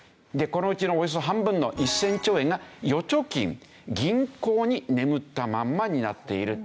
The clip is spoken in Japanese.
このうちのおよそ半分の１０００兆円が預貯金銀行に眠ったまんまになっている。